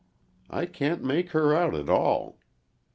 I can't make her out at all.